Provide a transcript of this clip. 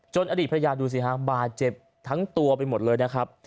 อดีตภรรยาดูสิฮะบาดเจ็บทั้งตัวไปหมดเลยนะครับ